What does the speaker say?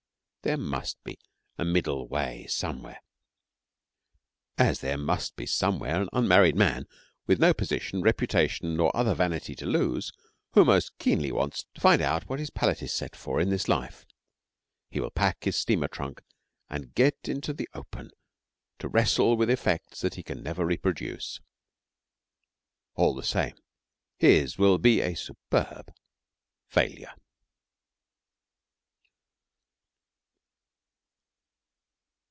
There must be a middle way somewhere, as there must be somewhere an unmarried man with no position, reputation, or other vanity to lose, who most keenly wants to find out what his palette is set for in this life. He will pack his steamer trunk and get into the open to wrestle with effects that he can never reproduce. All the same his will be a superb failure.